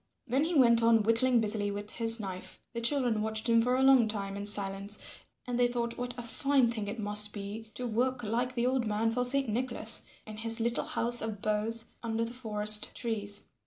Then he went on whittling busily with his knife. The children watched him for a long time in silence, and they thought what a fine thing it must be to work like the old man for Saint Nicholas, in his little house of boughs under the forest trees.